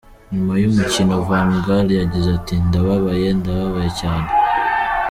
Nyuma y’umukino, Van Gaal yagize ati: "Ndababaye, ndababaye cyane.